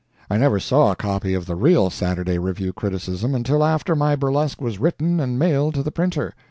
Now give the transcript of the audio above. I never saw a copy of the real Saturday Review criticism until after my burlesque was written and mailed to the printer.